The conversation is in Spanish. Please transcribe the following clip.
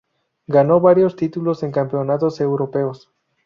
Ganó varios títulos en campeonatos europeos.